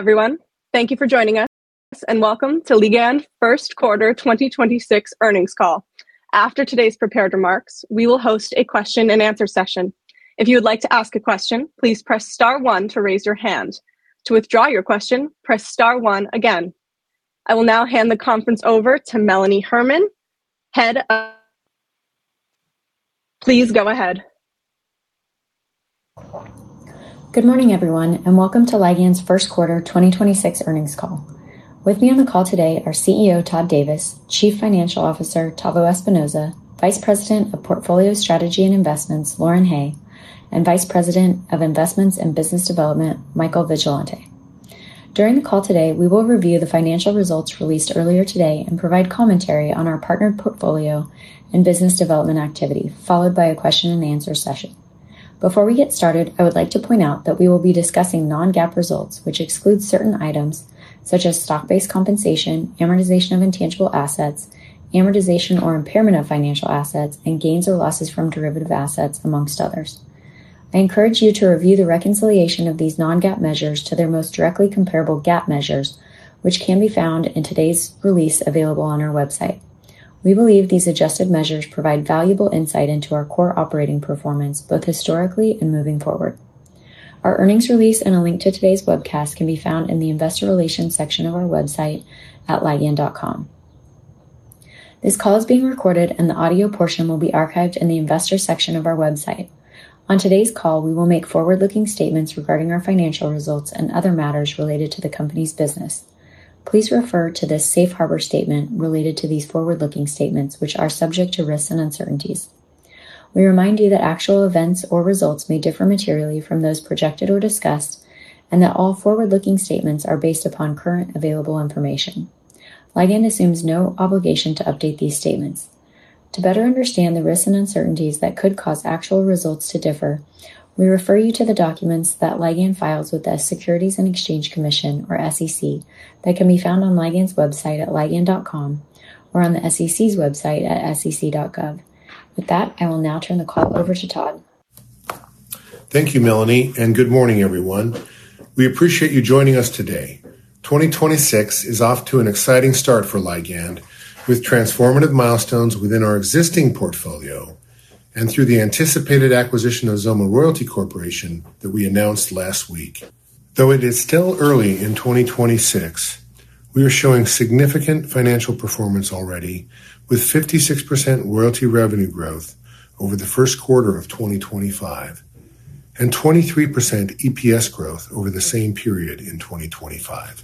Hello, everyone. Thank you for joining us, and welcome to Ligand First Quarter 2026 Earnings Call. After today's prepared remarks, we will host a question-and-answer session. If you would like to ask a question, please press star one to raise your hand. To withdraw your question, press star one again. I will now hand the conference over to Melanie Herman, [Head of Investor Relations]. Please go ahead. Good morning, everyone, and welcome to Ligand's First Quarter 2026 Earnings Call. With me on the call today are CEO, Todd Davis; Chief Financial Officer, Tavo Espinoza; Vice President of Portfolio Strategy and Investments, Lauren Hay; and Vice President of Investments and Business Development, Michael Vigilante. During the call today, we will review the financial results released earlier today and provide commentary on our partner portfolio and business development activity, followed by a question-and-answer session. Before we get started, I would like to point out that we will be discussing non-GAAP results, which exclude certain items such as stock-based compensation, amortization of intangible assets, amortization or impairment of financial assets, and gains or losses from derivative assets, amongst others. I encourage you to review the reconciliation of these non-GAAP measures to their most directly comparable GAAP measures, which can be found in today's release available on our website. We believe these adjusted measures provide valuable insight into our core operating performance, both historically and moving forward. Our earnings release and a link to today's webcast can be found in the investor relations section of our website at ligand.com. This call is being recorded, and the audio portion will be archived in the investor section of our website. On today's call, we will make forward-looking statements regarding our financial results and other matters related to the company's business. Please refer to this safe harbor statement related to these forward-looking statements, which are subject to risks and uncertainties. We remind you that actual events or results may differ materially from those projected or discussed, and that all forward-looking statements are based upon current available information. Ligand assumes no obligation to update these statements. To better understand the risks and uncertainties that could cause actual results to differ, we refer you to the documents that Ligand files with the Securities and Exchange Commission, or SEC, that can be found on Ligand website, ligand.com or on SEC website, sec.gov. With that, I will now turn the call over to Todd. Thank you, Melanie. Good morning, everyone. We appreciate you joining us today. 2026 is off to an exciting start for Ligand with transformative milestones within our existing portfolio and through the anticipated acquisition of XOMA Royalty Corporation. that we announced last week. It is still early in 2026, we are showing significant financial performance already with 56% royalty revenue growth over the first quarter of 2025 and 23% EPS growth over the same period in 2025.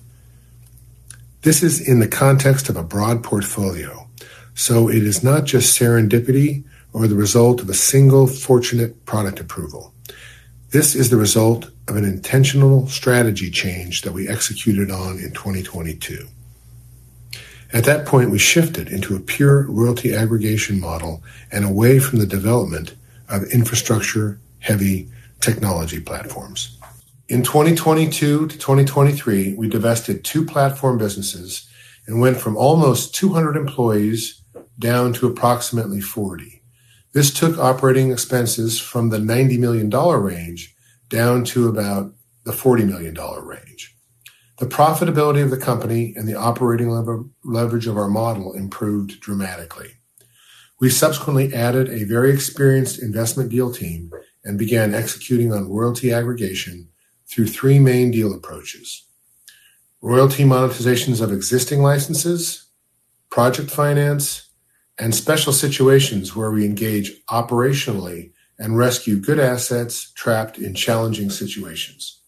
This is in the context of a broad portfolio, so it is not just serendipity or the result of a single fortunate product approval. This is the result of an intentional strategy change that we executed on in 2022. At that point, we shifted into a pure royalty aggregation model and away from the development of infrastructure-heavy technology platforms. In 2022 to 2023, we divested two platform businesses and went from almost 200 employees down to approximately 40. This took operating expenses from the $90 million range down to about the $40 million range. The profitability of the company and the operating leverage of our model improved dramatically. We subsequently added a very experienced investment deal team and began executing on royalty aggregation through three main deal approaches. Royalty monetizations of existing licenses, project finance, and special situations where we engage operationally and rescue good assets trapped in challenging situations.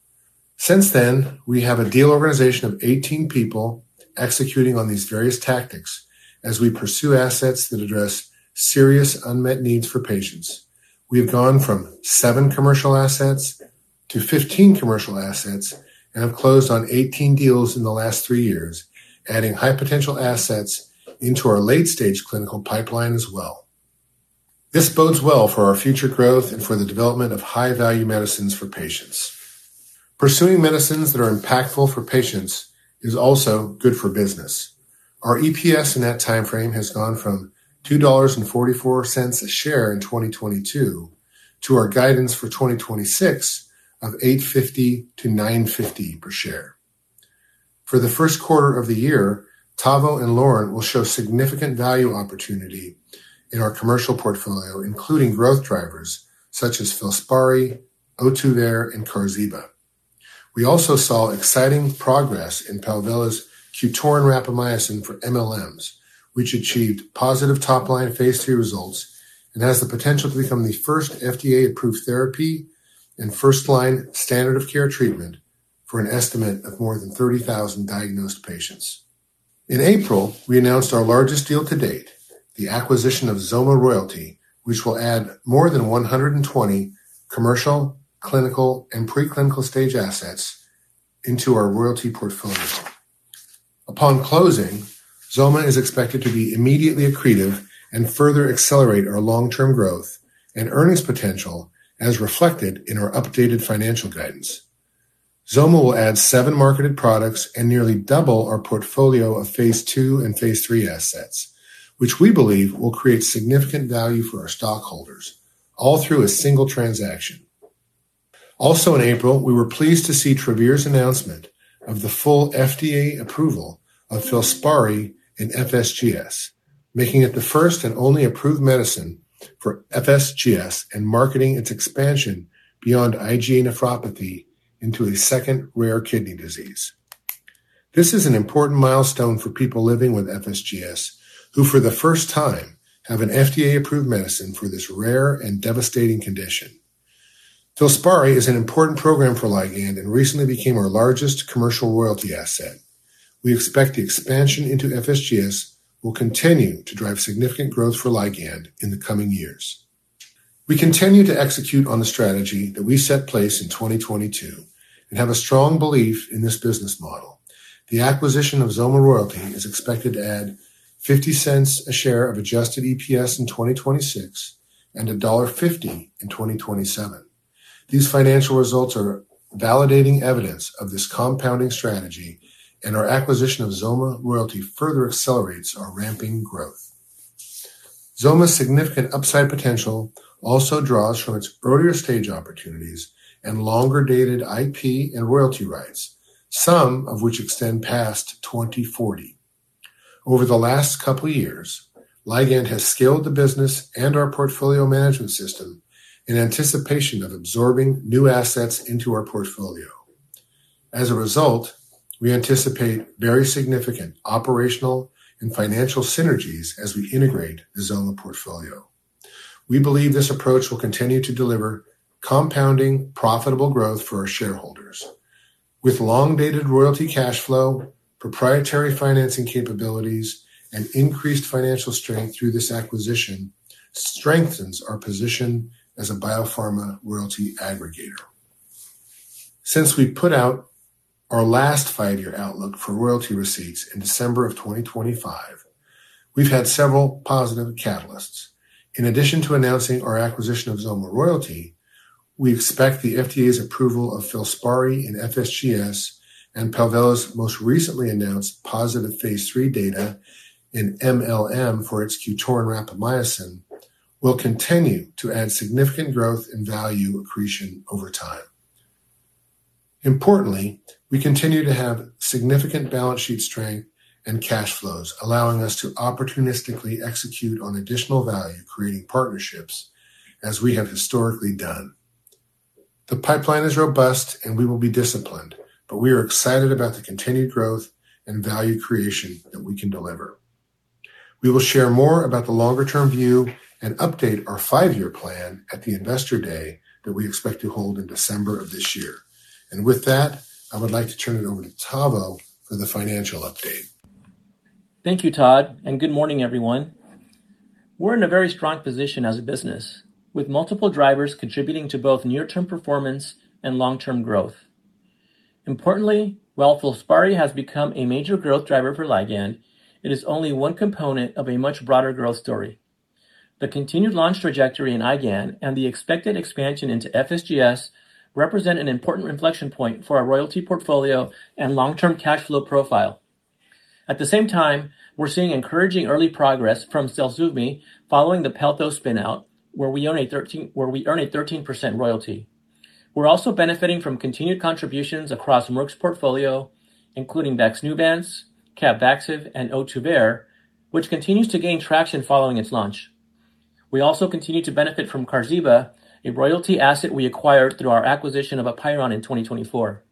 Since then, we have a deal organization of 18 people executing on these various tactics as we pursue assets that address serious unmet needs for patients. We have gone from seven commercial assets to 15 commercial assets and have closed on 18 deals in the last three years, adding high potential assets into our late-stage clinical pipeline as well. This bodes well for our future growth and for the development of high-value medicines for patients. Pursuing medicines that are impactful for patients is also good for business. Our EPS in that timeframe has gone from $2.44 a share in 2022 to our guidance for 2026 of $8.50-$9.50 per share. For the 1st quarter of the year, Tavo and Lauren will show significant value opportunity in our commercial portfolio, including growth drivers such as FILSPARI, Ohtuvayre, and Qarziba. We also saw exciting progress in Palvella's QTORIN™ rapamycin for mLMs, which achieved positive top-line phase II results and has the potential to become the first FDA-approved therapy and first-line standard of care treatment for an estimate of more than 30,000 diagnosed patients. In April, we announced our largest deal to date, the acquisition of XOMA Royalty, which will add more than 120 commercial, clinical, and pre-clinical stage assets into our royalty portfolio. Upon closing, XOMA is expected to be immediately accretive and further accelerate our long-term growth and earnings potential, as reflected in our updated financial guidance. XOMA will add seven marketed products and nearly double our portfolio of phase II and phase III assets, which we believe will create significant value for our stockholders all through a single transaction. Also in April, we were pleased to see Travere's announcement of the full FDA approval of FILSPARI in FSGS, making it the first and only approved medicine for FSGS and marketing its expansion beyond IgA nephropathy into a second rare kidney disease. This is an important milestone for people living with FSGS, who for the first time have an FDA-approved medicine for this rare and devastating condition. FILSPARI is an important program for Ligand and recently became our largest commercial royalty asset. We expect the expansion into FSGS will continue to drive significant growth for Ligand in the coming years. We continue to execute on the strategy that we set place in 2022 and have a strong belief in this business model. The acquisition of XOMA Royalty is expected to add $0.50 a share of adjusted EPS in 2026 and $1.50 in 2027. These financial results are validating evidence of this compounding strategy, and our acquisition of XOMA Royalty further accelerates our ramping growth. XOMA's significant upside potential also draws from its earlier-stage opportunities and longer-dated IP and royalty rights, some of which extend past 2040. Over the last couple years, Ligand has scaled the business and our portfolio management system in anticipation of absorbing new assets into our portfolio. As a result, we anticipate very significant operational and financial synergies as we integrate the XOMA portfolio. We believe this approach will continue to deliver compounding profitable growth for our shareholders. With long-dated royalty cash flow, proprietary financing capabilities, and increased financial strength through this acquisition strengthens our position as a biopharma royalty aggregator. Since we put out our last five-year outlook for royalty receipts in December of 2025, we've had several positive catalysts. In addition to announcing our acquisition of XOMA Royalty, we expect the FDA's approval of FILSPARI in FSGS and Palvella's most recently announced positive phase III data in mLM for its QTORIN™ rapamycin will continue to add significant growth and value accretion over time. Importantly, we continue to have significant balance sheet strength and cash flows, allowing us to opportunistically execute on additional value-creating partnerships as we have historically done. The pipeline is robust, and we will be disciplined, but we are excited about the continued growth and value creation that we can deliver. We will share more about the longer-term view and update our five-year plan at the Investor Day that we expect to hold in December of this year. With that, I would like to turn it over to Tavo for the financial update. Thank you, Todd. Good morning, everyone. We're in a very strong position as a business, with multiple drivers contributing to both near-term performance and long-term growth. Importantly, while FILSPARI has become a major growth driver for Ligand, it is only one component of a much broader growth story. The continued launch trajectory in IgAN and the expected expansion into FSGS represent an important inflection point for our royalty portfolio and long-term cash flow profile. At the same time, we're seeing encouraging early progress from ZELSUVMI following the Pelthos spin-out, where we earn a 13% royalty. We're also benefiting from continued contributions across Merck's portfolio, including VAXNEUVANCE, CAPVAXIVE, and Ohtuvayre, which continues to gain traction following its launch. We also continue to benefit from Qarziba, a royalty asset we acquired through our acquisition of APEIRON in 2024.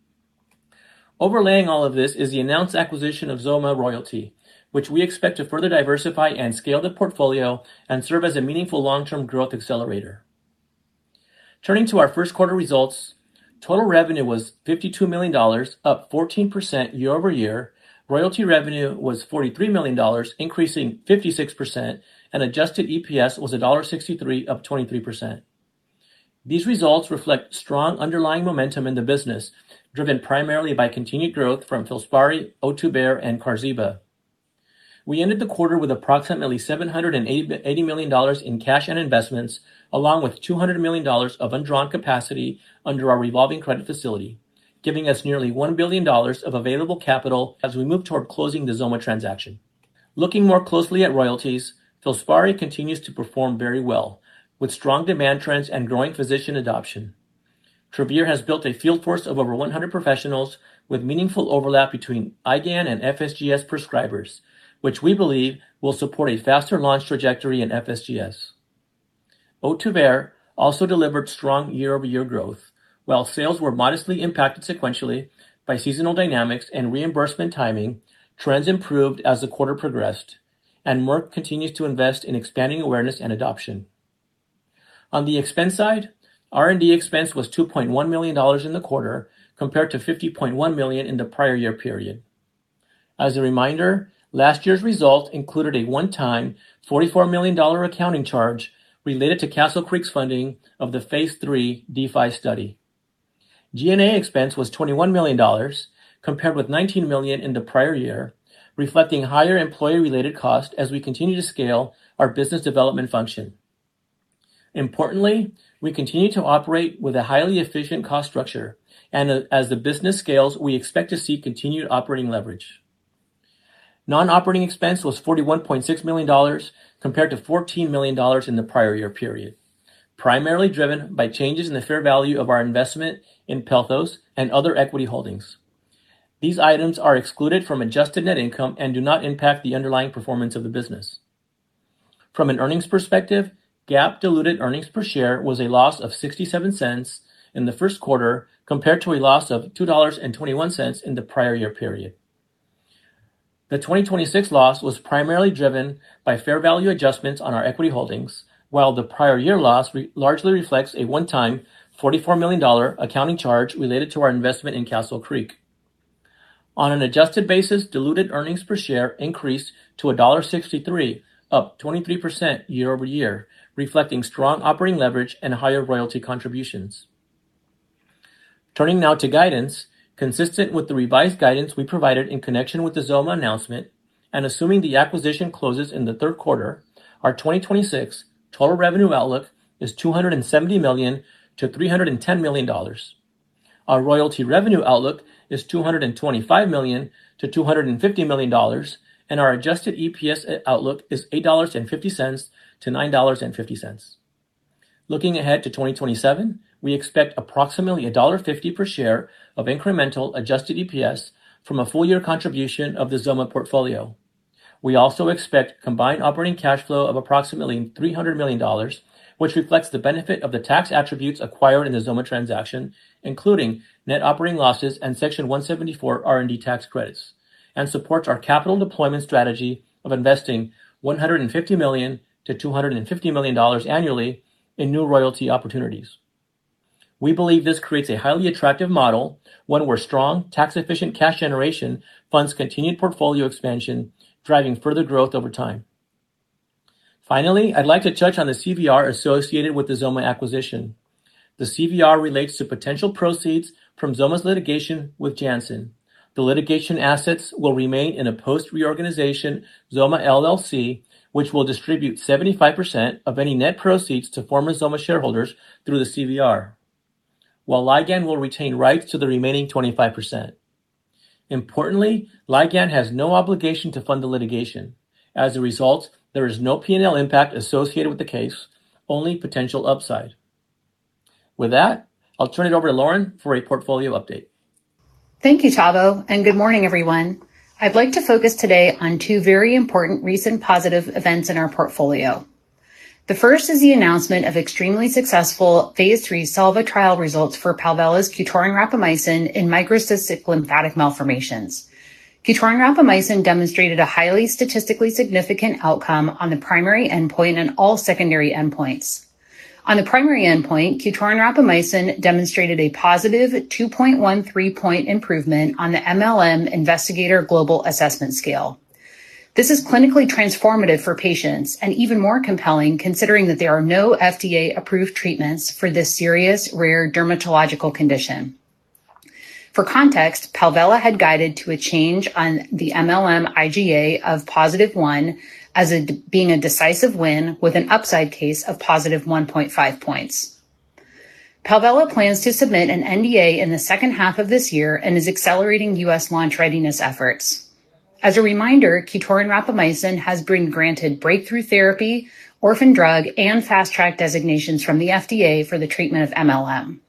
Overlaying all of this is the announced acquisition of XOMA Royalty, which we expect to further diversify and scale the portfolio and serve as a meaningful long-term growth accelerator. Turning to our first quarter results, total revenue was $52 million, up 14% year-over-year. Royalty revenue was $43 million, increasing 56%. Adjusted EPS was $1.63, up 23%. These results reflect strong underlying momentum in the business, driven primarily by continued growth from FILSPARI, Ohtuvayre, and Qarziba. We ended the quarter with approximately $780 million in cash and investments, along with $200 million of undrawn capacity under our revolving credit facility, giving us nearly $1 billion of available capital as we move toward closing the XOMA transaction. Looking more closely at royalties, FILSPARI continues to perform very well, with strong demand trends and growing physician adoption. Travere has built a field force of over 100 professionals with meaningful overlap between IgAN and FSGS prescribers, which we believe will support a faster launch trajectory in FSGS. Ohtuvayre also delivered strong year-over-year growth. While sales were modestly impacted sequentially by seasonal dynamics and reimbursement timing, trends improved as the quarter progressed. Merck continues to invest in expanding awareness and adoption. On the expense side, R&D expense was $2.1 million in the quarter, compared to $50.1 million in the prior year period. As a reminder, last year's result included a one-time $44 million accounting charge related to Castle Creek's funding of the phase III DeFi study. G&A expense was $21 million, compared with $19 million in the prior year, reflecting higher employee-related costs as we continue to scale our business development function. Importantly, we continue to operate with a highly efficient cost structure, and as the business scales, we expect to see continued operating leverage. Non-operating expense was $41.6 million compared to $14 million in the prior year period, primarily driven by changes in the fair value of our investment in Pelthos and other equity holdings. These items are excluded from adjusted net income and do not impact the underlying performance of the business. From an earnings perspective, GAAP diluted earnings per share was a loss of $0.67 in the first quarter compared to a loss of $2.21 in the prior year period. The 2026 loss was primarily driven by fair value adjustments on our equity holdings, while the prior year loss largely reflects a one-time $44 million accounting charge related to our investment in Castle Creek. On an adjusted basis, diluted earnings per share increased to $1.63, up 23% year-over-year, reflecting strong operating leverage and higher royalty contributions. Turning now to guidance. Consistent with the revised guidance we provided in connection with the XOMA announcement and assuming the acquisition closes in the third quarter, our 2026 total revenue outlook is $270 million-$310 million. Our royalty revenue outlook is $225 million-$250 million, and our adjusted EPS outlook is $8.50-$9.50. Looking ahead to 2027, we expect approximately $1.50 per share of incremental adjusted EPS from a full year contribution of the XOMA portfolio. We also expect combined operating cash flow of approximately $300 million, which reflects the benefit of the tax attributes acquired in the XOMA transaction, including net operating losses and Section 174 R&D tax credits, and supports our capital deployment strategy of investing $150 million-$250 million annually in new royalty opportunities. We believe this creates a highly attractive model, one where strong tax-efficient cash generation funds continued portfolio expansion, driving further growth over time. Finally, I'd like to touch on the CVR associated with the XOMA acquisition. The CVR relates to potential proceeds from XOMA's litigation with Janssen. The litigation assets will remain in a post-reorganization XOMA LLC, which will distribute 75% of any net proceeds to former XOMA shareholders through the CVR, while Ligand will retain rights to the remaining 25%. Importantly, Ligand has no obligation to fund the litigation. As a result, there is no P&L impact associated with the case, only potential upside. With that, I'll turn it over to Lauren for a portfolio update. Thank you, Tavo, and good morning, everyone. I'd like to focus today on two very important recent positive events in our portfolio. The first is the announcement of extremely successful phase III SELVA trial results for Palvella's QTORIN™ rapamycin in microcystic lymphatic malformations. QTORIN™ rapamycin demonstrated a highly statistically significant outcome on the primary endpoint and all secondary endpoints. On the primary endpoint, QTORIN™ rapamycin demonstrated a positive 2.13 point improvement on the mLM Investigator Global Assessment Scale. This is clinically transformative for patients and even more compelling considering that there are no FDA-approved treatments for this serious rare dermatological condition. For context, Palvella had guided to a change on the mLM IGA of positive one as being a decisive win with an upside case of positive 1.5 points. Palvella plans to submit an NDA in the second half of this year and is accelerating U.S. launch readiness efforts. As a reminder, QTORIN™ rapamycin has been granted Breakthrough Therapy, Orphan Drug, and Fast Track designations from the FDA for the treatment of mLM.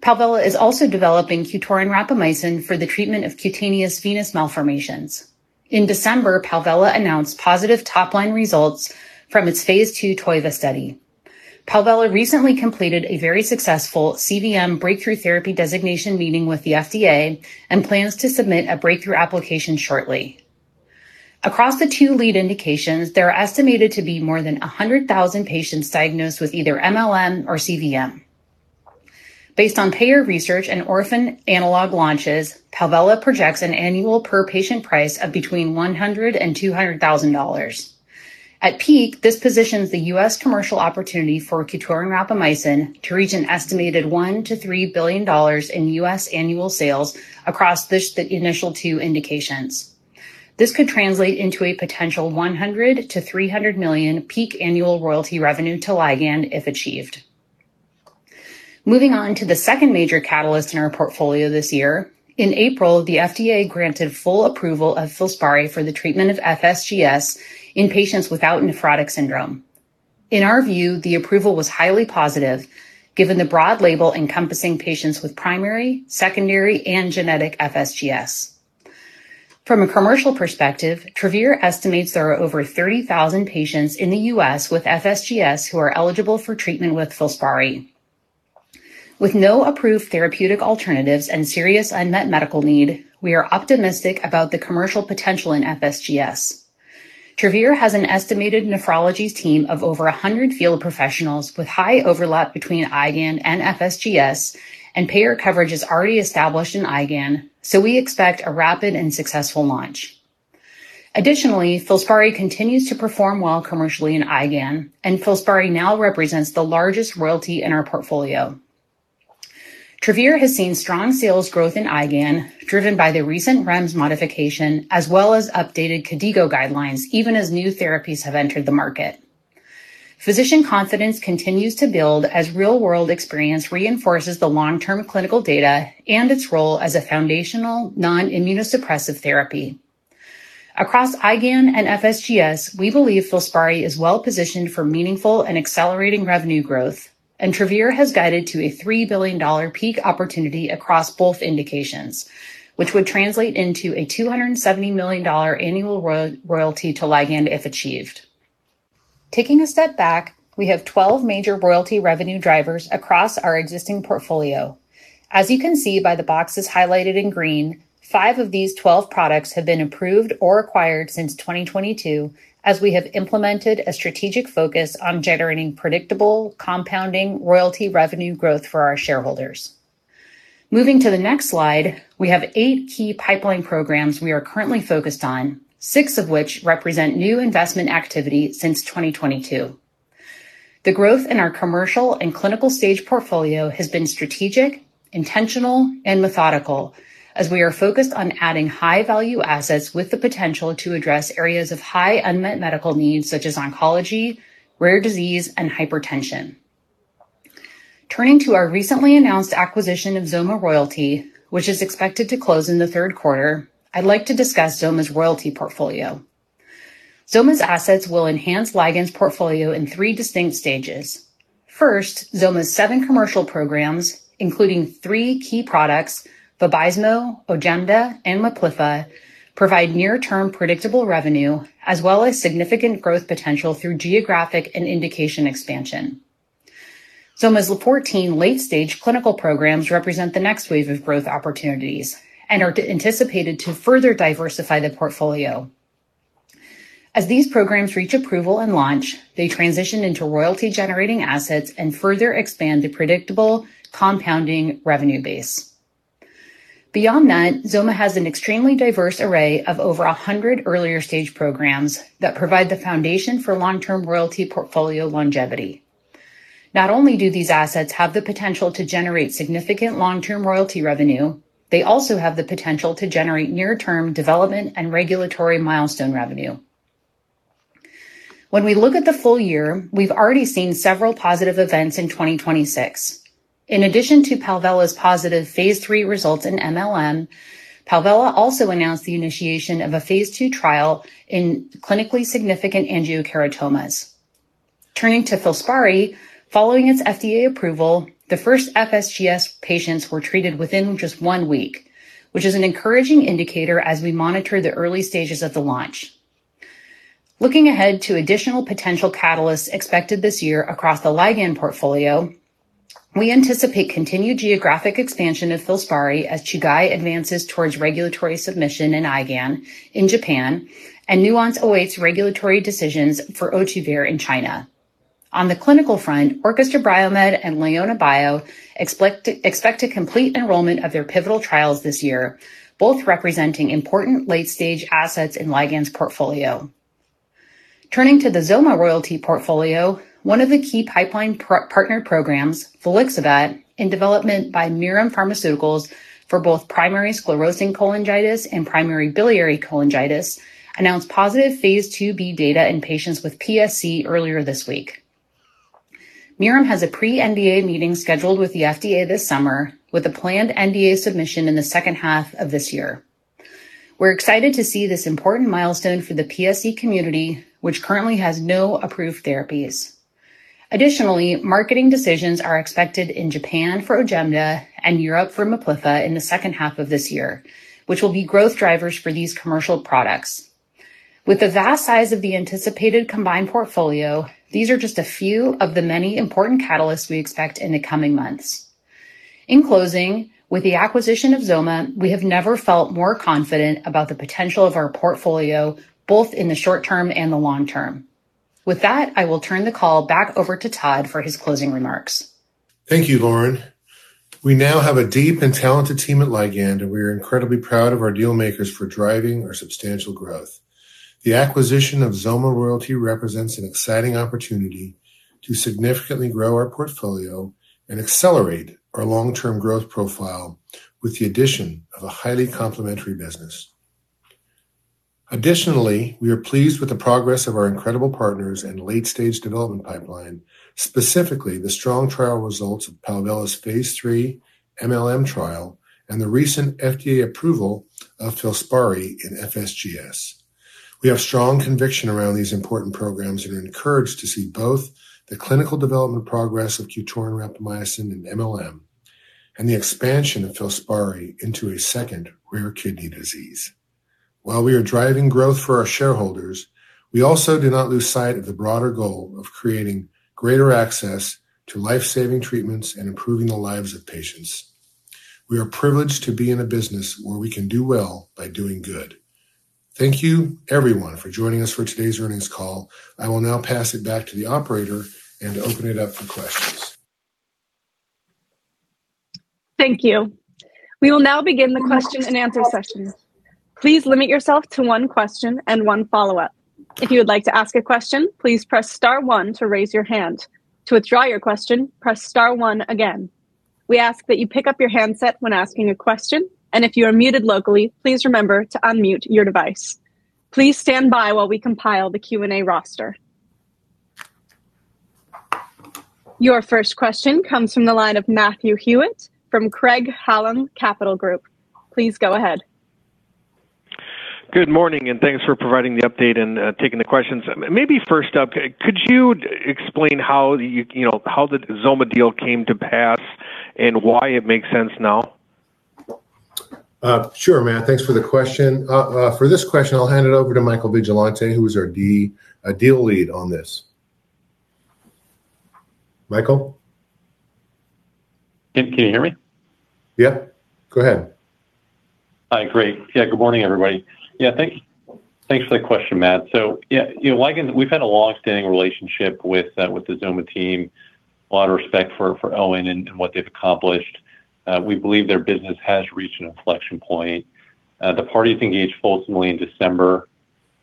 Palvella is also developing QTORIN™ rapamycin for the treatment of cutaneous venous malformations. In December, Palvella announced positive top-line results from its phase II TOIVA trial. Palvella recently completed a very successful CVM Breakthrough Therapy designation meeting with the FDA and plans to submit a breakthrough application shortly. Across the two lead indications, there are estimated to be more than 100,000 patients diagnosed with either mLM or CVM. Based on payer research and orphan analog launches, Palvella projects an annual per-patient price of between $100,000-$200,000. At peak, this positions the U.S. commercial opportunity for QTORIN™ rapamycin to reach an estimated $1 billion-$3 billion in U.S. annual sales across the initial two indications. This could translate into a potential $100 million-$300 million peak annual royalty revenue to Ligand if achieved. Moving on to the second major catalyst in our portfolio this year. In April, the FDA granted full approval of FILSPARI for the treatment of FSGS in patients without nephrotic syndrome. In our view, the approval was highly positive given the broad label encompassing patients with primary, secondary, and genetic FSGS. From a commercial perspective, Travere estimates there are over 30,000 patients in the U.S. with FSGS who are eligible for treatment with FILSPARI. With no approved therapeutic alternatives and serious unmet medical need, we are optimistic about the commercial potential in FSGS. Travere has an estimated nephrology team of over 100 field professionals with high overlap between IgAN and FSGS. Payer coverage is already established in IgAN, we expect a rapid and successful launch. Additionally, FILSPARI continues to perform well commercially in IgAN. FILSPARI now represents the largest royalty in our portfolio. Travere has seen strong sales growth in IgAN, driven by the recent REMS modification, as well as updated KDIGO guidelines, even as new therapies have entered the market. Physician confidence continues to build as real-world experience reinforces the long-term clinical data and its role as a foundational non-immunosuppressive therapy. Across IgAN and FSGS, we believe FILSPARI is well-positioned for meaningful and accelerating revenue growth. Travere has guided to a $3 billion peak opportunity across both indications, which would translate into a $270 million annual royalty to Ligand if achieved. Taking a step back, we have 12 major royalty revenue drivers across our existing portfolio. As you can see by the boxes highlighted in green, five of these 12 products have been approved or acquired since 2022 as we have implemented a strategic focus on generating predictable, compounding royalty revenue growth for our shareholders. Moving to the next slide, we have eight key pipeline programs we are currently focused on, six of which represent new investment activity since 2022. The growth in our commercial and clinical stage portfolio has been strategic, intentional, and methodical as we are focused on adding high-value assets with the potential to address areas of high unmet medical needs, such as oncology, rare disease, and hypertension. Turning to our recently announced acquisition of XOMA Royalty, which is expected to close in the third quarter, I'd like to discuss XOMA's Royalty portfolio. XOMA's assets will enhance Ligand's portfolio in three distinct stages. First, XOMA's seven commercial programs, including three key products, VABYSMO, OJEMDA, and Miplyffa, provide near-term predictable revenue as well as significant growth potential through geographic and indication expansion. XOMA's 14 late-stage clinical programs represent the next wave of growth opportunities and are anticipated to further diversify the portfolio. As these programs reach approval and launch, they transition into royalty-generating assets and further expand the predictable compounding revenue base. Beyond that, XOMA has an extremely diverse array of over 100 earlier-stage programs that provide the foundation for long-term royalty portfolio longevity. Not only do these assets have the potential to generate significant long-term royalty revenue, they also have the potential to generate near-term development and regulatory milestone revenue. When we look at the full year, we've already seen several positive events in 2026. In addition to Palvella's positive phase III results in mLM, Palvella also announced the initiation of a phase II trial in clinically significant angiokeratomas. Turning to FILSPARI, following its FDA approval, the first FSGS patients were treated within just one week, which is an encouraging indicator as we monitor the early stages of the launch. Looking ahead to additional potential catalysts expected this year across the Ligand portfolio, we anticipate continued geographic expansion of FILSPARI as Chugai advances towards regulatory submission in IgAN in Japan and Nuance awaits regulatory decisions for Ohtuvayre in China. On the clinical front, Orchestra BioMed and LeonaBio expect to complete enrollment of their pivotal trials this year, both representing important late-stage assets in Ligand's portfolio. Turning to the XOMA Royalty portfolio, one of the key pipeline part-partner programs, volixibat, in development by Mirum Pharmaceuticals for both primary sclerosing cholangitis and primary biliary cholangitis, announced positive phase II-B data in patients with PSC earlier this week. Mirum has a pre-NDA meeting scheduled with the FDA this summer with a planned NDA submission in the second half of this year. We're excited to see this important milestone for the PSC community, which currently has no approved therapies. Additionally, marketing decisions are expected in Japan for OJEMDA and Europe for Miplyffa in the second half of this year, which will be growth drivers for these commercial products. With the vast size of the anticipated combined portfolio, these are just a few of the many important catalysts we expect in the coming months. In closing, with the acquisition of XOMA Royalty, we have never felt more confident about the potential of our portfolio, both in the short term and the long term. With that, I will turn the call back over to Todd for his closing remarks. Thank you, Lauren. We now have a deep and talented team at Ligand, and we are incredibly proud of our deal makers for driving our substantial growth. The acquisition of XOMA Royalty represents an exciting opportunity to significantly grow our portfolio and accelerate our long-term growth profile with the addition of a highly complementary business. Additionally, we are pleased with the progress of our incredible partners and late-stage development pipeline, specifically the strong trial results of Palvella's phase III mLM trial and the recent FDA approval of FILSPARI in FSGS. We have strong conviction around these important programs and are encouraged to see both the clinical development progress of QTORIN™ rapamycin in MLM and the expansion of FILSPARI into a second rare kidney disease. While we are driving growth for our shareholders, we also do not lose sight of the broader goal of creating greater access to life-saving treatments and improving the lives of patients. We are privileged to be in a business where we can do well by doing good. Thank you, everyone, for joining us for today's earnings call. I will now pass it back to the operator and open it up for questions. Thank you. We will now begin the question-and-answer session. Please limit yourself to one question and one follow-up. If you would like to ask a question, please press star one to raise your hand. To withdraw your question, press star one again. We ask that you pick up your handset when asking a question, and if you are muted locally, please remember to unmute your device. Please stand by while we compile the Q&A roster. Your first question comes from the line of Matthew Hewitt from Craig-Hallum Capital Group. Please go ahead. Good morning, thanks for providing the update and taking the questions. Maybe first up, could you explain how you know, how the XOMA deal came to pass and why it makes sense now? Sure, Matt. Thanks for the question. For this question, I'll hand it over to Michael Vigilante, who was our deal lead on this. Michael? Can you hear me? Yeah, go ahead. Hi. Great. Good morning, everybody. Thanks for the question, Matt. You know, Ligand, we've had a longstanding relationship with the XOMA team. A lot of respect for Owen and what they've accomplished. We believe their business has reached an inflection point. The parties engaged full swing in December.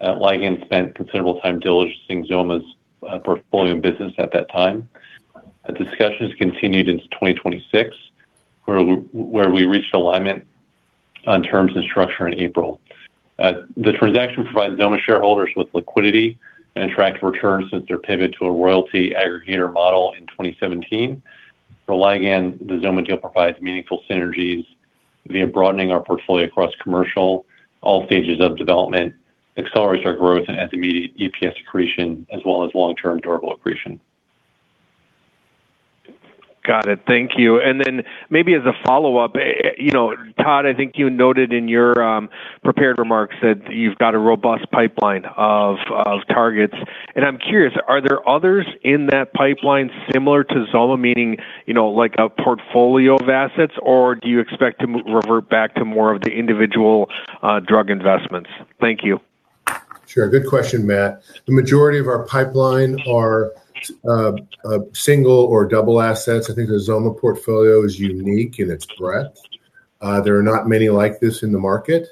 Ligand spent considerable time diligencing XOMA's portfolio and business at that time. Discussions continued into 2026 where we reached alignment on terms and structure in April. The transaction provides XOMA shareholders with liquidity and attractive returns since their pivot to a royalty aggregator model in 2017. For Ligand, the XOMA deal provides meaningful synergies via broadening our portfolio across commercial, all stages of development, accelerates our growth and has immediate EPS accretion, as well as long-term durable accretion. Got it. Thank you. Maybe as a follow-up, you know, Todd, I think you noted in your prepared remarks that you've got a robust pipeline of targets. I'm curious, are there others in that pipeline similar to XOMA, meaning, you know, like a portfolio of assets? Do you expect to revert back to more of the individual drug investments? Thank you. Sure. Good question, Matt. The majority of our pipeline are single or double assets. I think the XOMA portfolio is unique in its breadth. There are not many like this in the market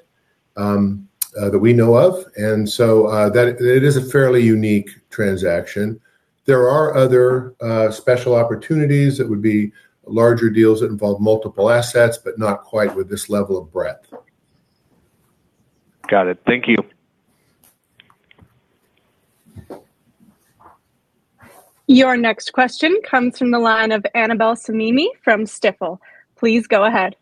that we know of. It is a fairly unique transaction. There are other special opportunities that would be larger deals that involve multiple assets, but not quite with this level of breadth. Got it. Thank you. Your next question comes from the line of Annabel Samimy from Stifel. Please go ahead.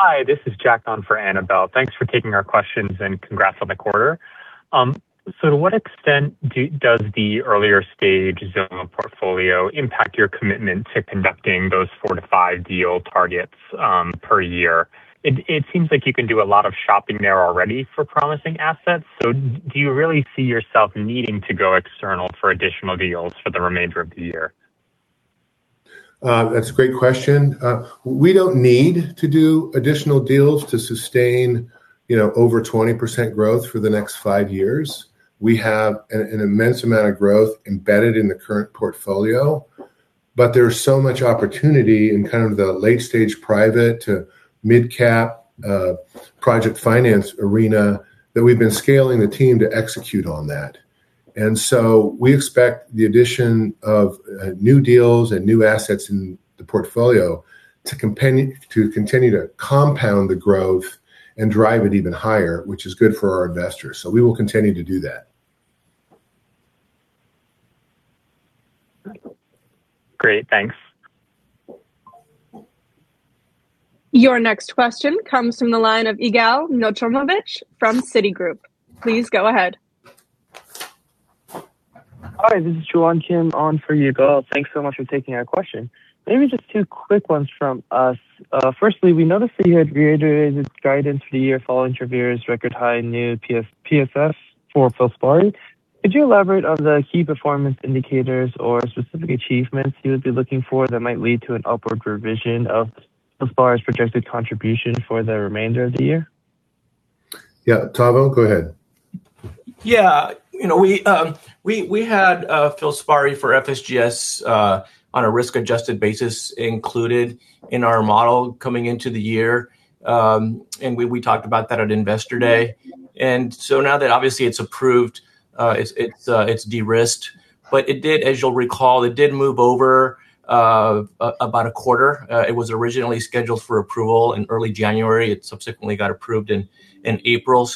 Hi, this is Jack on for Annabel. Thanks for taking our questions, and congrats on the quarter. So to what extent does the earlier stage XOMA portfolio impact your commitment to conducting those four to five deal targets per year? It, it seems like you can do a lot of shopping there already for promising assets, so do you really see yourself needing to go external for additional deals for the remainder of the year? That's a great question. We don't need to do additional deals to sustain, you know, over 20% growth for the next five years. We have an immense amount of growth embedded in the current portfolio, but there's so much opportunity in kind of the late stage private to mid-cap project finance arena that we've been scaling the team to execute on that. We expect the addition of new deals and new assets in the portfolio to continue to compound the growth and drive it even higher, which is good for our investors. We will continue to do that. Great. Thanks. Your next question comes from the line of Yigal Nochomovitz from Citigroup. Please go ahead. Hi, this is John Kim on for Yigal. Thanks so much for taking our question. Maybe just two quick ones from us. Firstly, we noticed that you had reiterated guidance for the year following Travere's record high new FSGS for FILSPARI. Could you elaborate on the key performance indicators or specific achievements you would be looking for that might lead to an upward revision of FILSPARI's projected contribution for the remainder of the year? Yeah, Tavo, go ahead. Yeah. You know, we had FILSPARI for FSGS on a risk-adjusted basis included in our model coming into the year. We talked about that at Investor Day. Now that obviously it's approved, it's de-risked. It did As you'll recall, it did move over about a quarter. It was originally scheduled for approval in early January. It subsequently got approved in April.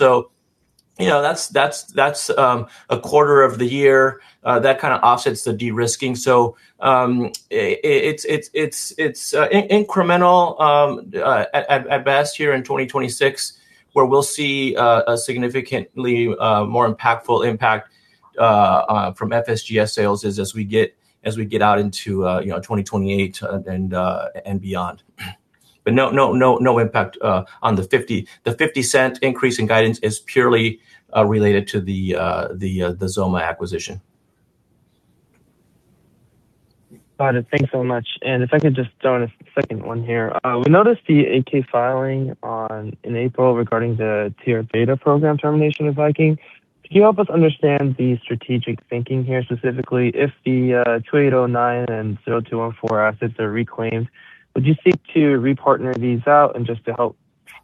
You know, that's a quarter of the year. That kinda offsets the de-risking. It's incremental at best here in 2026. Where we'll see a significantly more impactful impact from FSGS sales is as we get out into, you know, 2028 and beyond. No, no, no impact on the $0.50. The $0.50 increase in guidance is purely related to the XOMA acquisition. Got it. Thanks so much. If I could just throw in a second one here. We noticed the 8-K filing on, in April regarding the TR-Beta program termination of Viking. Could you help us understand the strategic thinking here, specifically if the 2809 and 0214 assets are reclaimed? Would you seek to repartner these out and just to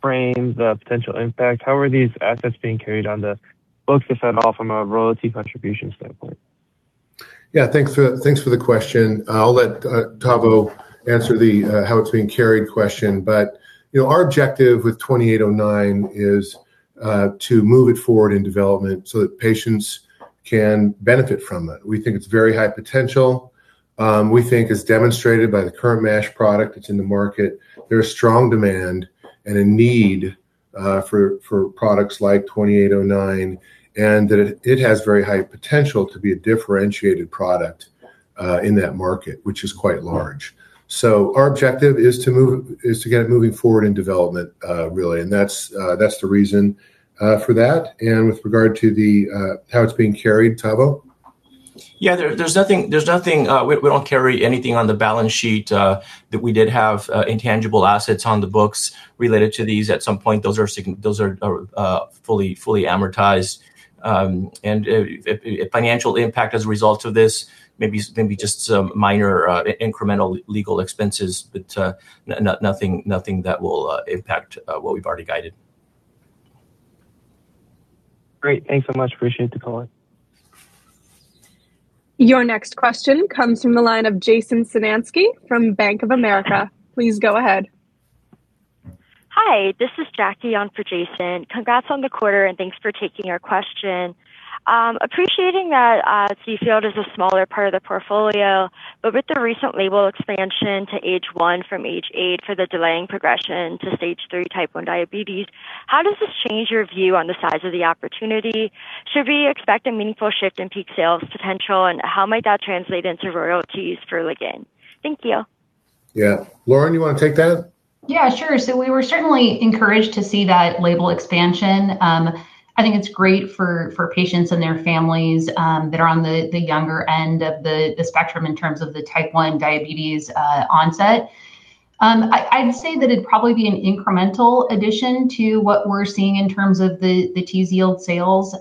frame the potential impact, how are these assets being carried on the books to set off from a royalty contribution standpoint? Yeah. Thanks for the question. I'll let Tavo answer the how it's being carried question. You know, our objective with 2809 is to move it forward in development so that patients can benefit from it. We think it's very high potential. We think it's demonstrated by the current MASH product that's in the market. There's strong demand and a need for products like 2809, and that it has very high potential to be a differentiated product in that market, which is quite large. Our objective is to get it moving forward in development, really, and that's the reason for that. With regard to the how it's being carried, Tavo? Yeah. There's nothing. We don't carry anything on the balance sheet. We did have intangible assets on the books related to these at some point, those are fully amortized. If financial impact as a result of this, maybe just some minor incremental legal expenses, nothing that will impact what we've already guided. Great. Thanks so much. Appreciate the call. Your next question comes from the line of Jason Zemansky from Bank of America. Please go ahead. Hi, this is Jackie on for Jason. Congrats on the quarter, thanks for taking our question. Appreciating that Tzield is a smaller part of the portfolio, but with the recent label expansion to age one from age eight for the delaying progression to Stage 3 type 1 diabetes, how does this change your view on the size of the opportunity? Should we expect a meaningful shift in peak sales potential, how might that translate into royalties for Ligand? Thank you. Yeah. Lauren, you wanna take that? Yeah, sure. We were certainly encouraged to see that label expansion. I think it's great for patients and their families that are on the younger end of the spectrum in terms of the type 1 diabetes onset. I'd say that it'd probably be an incremental addition to what we're seeing in terms of the Tzield sales.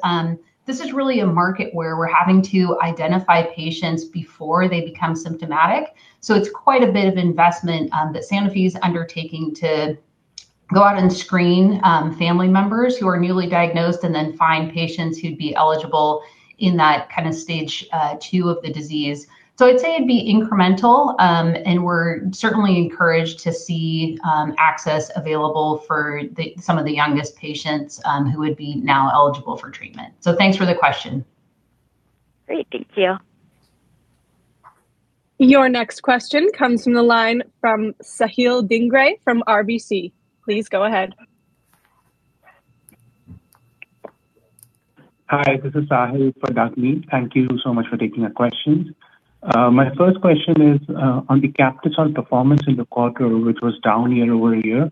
This is really a market where we're having to identify patients before they become symptomatic, so it's quite a bit of investment that Sanofi's undertaking to go out and screen family members who are newly diagnosed and then find patients who'd be eligible in that kind of stage 2 of the disease. I'd say it'd be incremental, and we're certainly encouraged to see access available for some of the youngest patients, who would be now eligible for treatment. Thanks for the question. Great. Thank you. Your next question comes from the line from Sahil Dhingra from RBC. Please go ahead. Hi, this is Sahil for Daphne. Thank you so much for taking our questions. My first question is on the Captisol performance in the quarter, which was down year-over-year.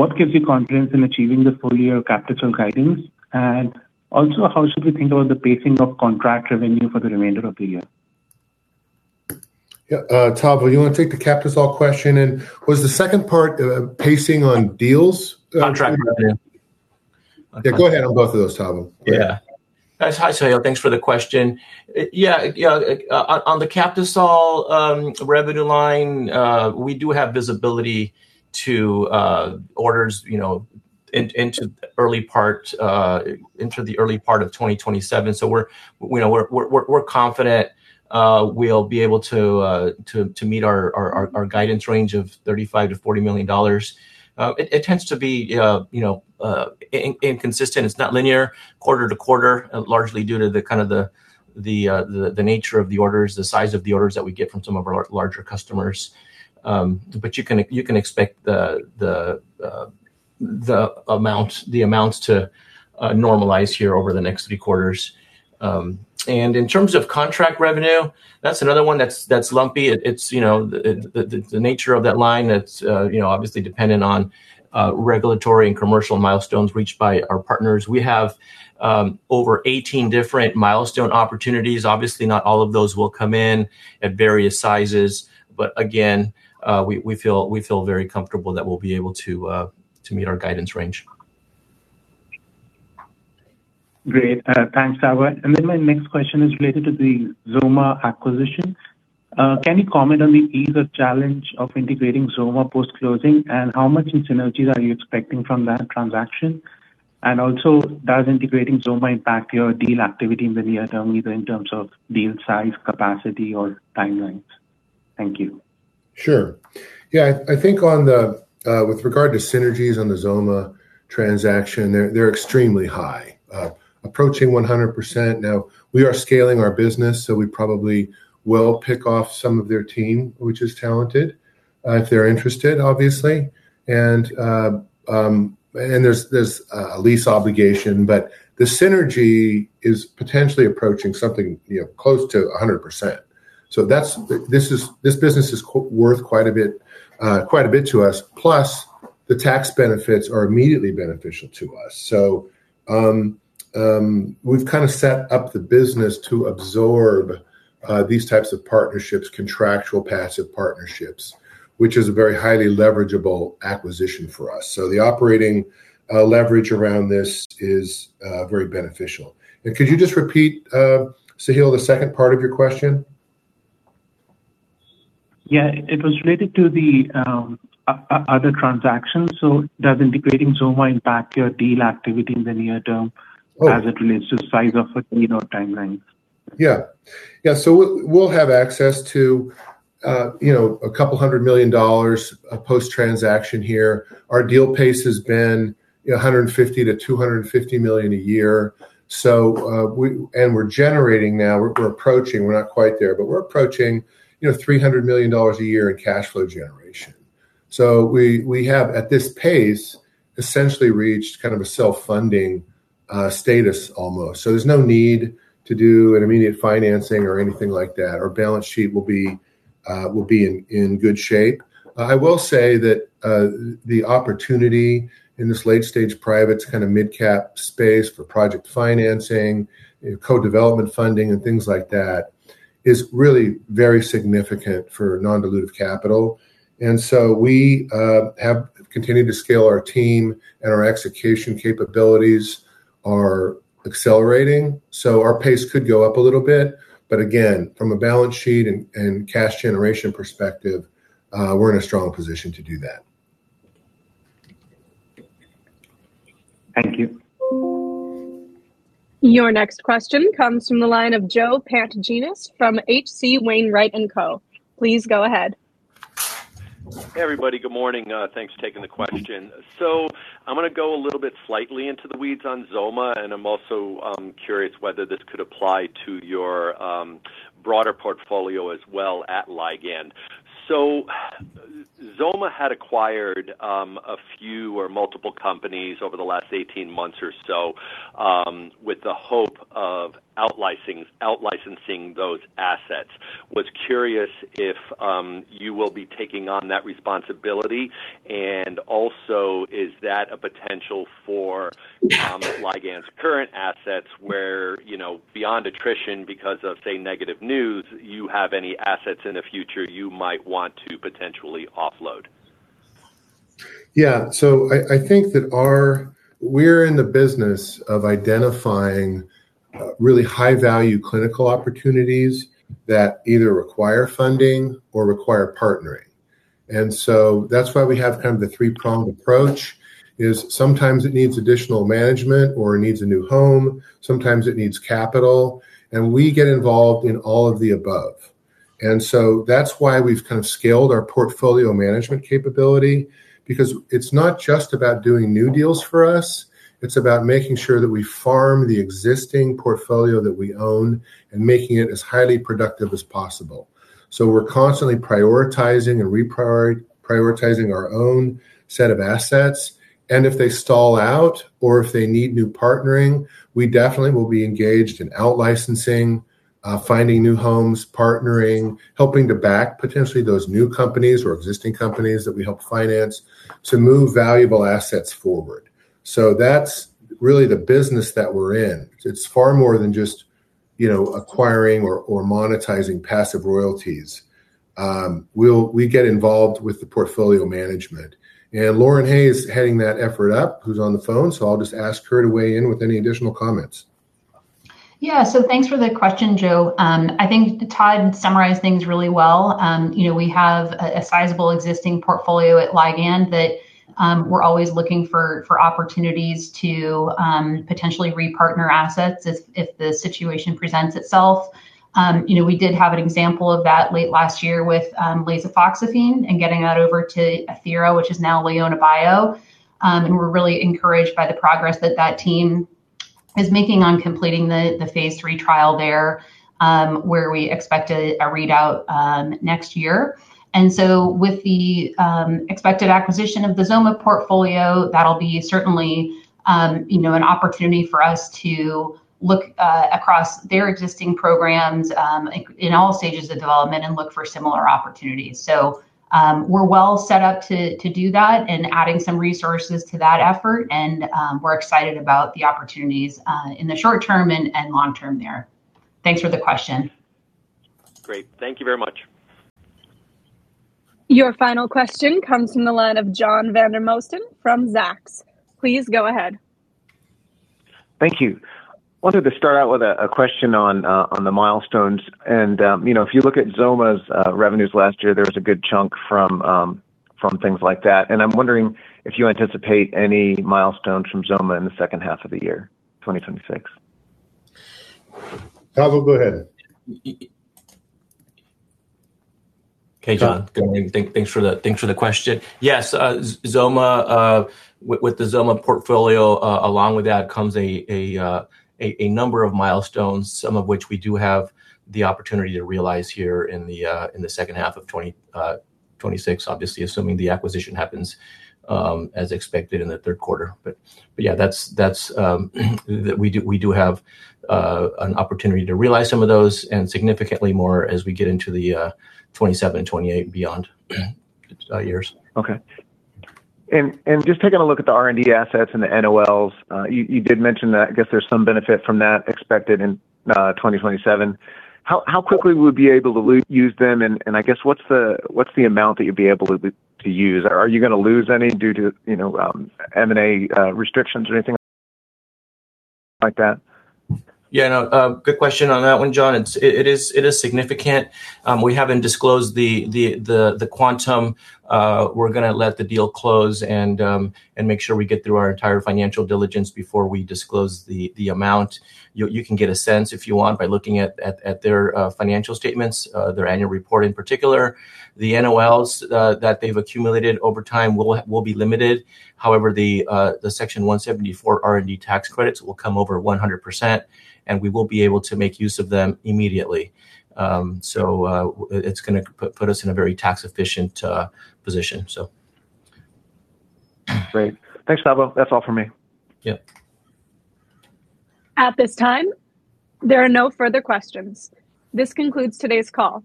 What gives you confidence in achieving the full year Captisol guidance? Also, how should we think about the pacing of contract revenue for the remainder of the year? Yeah, Tavo, you wanna take the Captisol question? Was the second part, pacing on deals? Contract revenue. Yeah, go ahead on both of those, Tavo. Yeah. Hi, Sahil. Thanks for the question. Yeah, yeah, on the Captisol revenue line, we do have visibility to orders, you know, into early part into the early part of 2027. We're, you know, we're confident we'll be able to meet our guidance range of $35 million-$40 million. It tends to be, you know, inconsistent. It's not linear quarter-to-quarter, largely due to the kind of the nature of the orders, the size of the orders that we get from some of our larger customers. You can expect the amounts to normalize here over the next few quarters. In terms of contract revenue, that's another one that's lumpy. It's, you know, the nature of that line that's, you know, obviously dependent on regulatory and commercial milestones reached by our partners. We have over 18 different milestone opportunities. Obviously, not all of those will come in at various sizes, again, we feel very comfortable that we'll be able to meet our guidance range. Great. Thanks, Tavo. Then my next question is related to the XOMA acquisition. Can you comment on the ease or challenge of integrating XOMA post-closing, and how much in synergies are you expecting from that transaction? Also, does integrating XOMA impact your deal activity in the near term, either in terms of deal size, capacity, or timelines? Thank you. Sure. I think on the with regard to synergies on the XOMA transaction, they're extremely high, approaching 100%. We are scaling our business, we probably will pick off some of their team, which is talented, if they're interested, obviously. There's a lease obligation, but the synergy is potentially approaching something, you know, close to 100%. This business is worth quite a bit, quite a bit to us. Plus, the tax benefits are immediately beneficial to us. We've kind of set up the business to absorb these types of partnerships, contractual passive partnerships, which is a very highly leverageable acquisition for us. The operating leverage around this is very beneficial. Could you just repeat, Sahil, the second part of your question? Yeah, it was related to the other transactions. Does integrating XOMA impact your deal activity in the near term as it relates to size of it, you know, timelines? Yeah. We'll have access to, you know, a couple hundred million dollars post-transaction here. Our deal pace has been, you know, $150 million-$250 million a year. We're generating now, we're approaching, we're not quite there, but we're approaching, you know, $300 million a year in cash flow generation. We have at this pace essentially reached kind of a self-funding status almost. There's no need to do an immediate financing or anything like that. Our balance sheet will be in good shape. I will say that the opportunity in this late stage privates kind of midcap space for project financing, you know, co-development funding and things like that, is really very significant for non-dilutive capital. We have continued to scale our team, and our execution capabilities are accelerating. Our pace could go up a little bit, but again, from a balance sheet and cash generation perspective, we're in a strong position to do that. Thank you. Your next question comes from the line of Joe Pantginis from H.C. Wainwright & Co. Please go ahead. Hey, everybody. Good morning. Thanks for taking the question. I'm gonna go a little bit slightly into the weeds on XOMA, and I'm also curious whether this could apply to your broader portfolio as well at Ligand. XOMA had acquired a few or multiple companies over the last 18 months or so, with the hope of out-licensing those assets. Was curious if you will be taking on that responsibility, and also is that a potential for Ligand's current assets where, you know, beyond attrition because of, say, negative news, you have any assets in the future you might want to potentially offload? I think that we're in the business of identifying really high value clinical opportunities that either require funding or require partnering. That's why we have kind of the three-pronged approach, is sometimes it needs additional management or it needs a new home, sometimes it needs capital, and we get involved in all of the above. That's why we've kind of scaled our portfolio management capability, because it's not just about doing new deals for us, it's about making sure that we farm the existing portfolio that we own and making it as highly productive as possible. We're constantly prioritizing our own set of assets, and if they stall out or if they need new partnering, we definitely will be engaged in out-licensing, finding new homes, partnering, helping to back potentially those new companies or existing companies that we help finance to move valuable assets forward. That's really the business that we're in. It's far more than just, you know, acquiring or monetizing passive royalties. We get involved with the portfolio management. Lauren Hay heading that effort up, who's on the phone, so I'll just ask her to weigh in with any additional comments. Yeah. Thanks for the question, Joe. I think Todd summarized things really well. You know, we have a sizable existing portfolio at Ligand that we're always looking for opportunities to potentially repartner assets if the situation presents itself. You know, we did have an example of that late last year with lasofoxifene and getting that over to Athira, which is now LeonaBio. We're really encouraged by the progress that that team is making on completing the phase III trial there, where we expect a readout next year. With the expected acquisition of the XOMA portfolio, that'll be certainly, you know, an opportunity for us to look across their existing programs in all stages of development and look for similar opportunities. We're well set up to do that and adding some resources to that effort and we're excited about the opportunities in the short term and long term there. Thanks for the question. Great. Thank you very much. Your final question comes from the line of John Vandermosten from Zacks. Please go ahead. Thank you. Wanted to start out with a question on the milestones. You know, if you look at XOMA's revenues last year, there was a good chunk from things like that, and I'm wondering if you anticipate any milestones from XOMA in the second half of the year, 2026? Tavo, go ahead. Hey, John. Good morning. Thanks for the question. Yes, XOMA, with the XOMA portfolio, along with that comes a number of milestones, some of which we do have the opportunity to realize here in the second half of 2026, obviously, assuming the acquisition happens as expected in the third quarter. Yeah, that's that we do have an opportunity to realize some of those and significantly more as we get into the 2027 and 2028 and beyond years. Okay. Just taking a look at the R&D assets and the NOLs, you did mention that I guess there's some benefit from that expected in 2027. How quickly will you be able to use them, and I guess what's the amount that you'll be able to use? Are you gonna lose any due to, you know, M&A, restrictions or anything like that? No, good question on that one, John. It is significant. We haven't disclosed the quantum. We're gonna let the deal close and make sure we get through our entire financial diligence before we disclose the amount. You can get a sense if you want by looking at their financial statements, their annual report in particular. The NOLs that they've accumulated over time will be limited. However, the Section 174 R&D tax credits will come over 100%, we will be able to make use of them immediately. It's gonna put us in a very tax-efficient position. Great. Thanks, Tavo. That's all for me. Yeah. At this time, there are no further questions. This concludes today's call.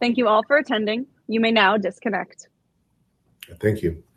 Thank you all for attending. You may now disconnect. Thank you.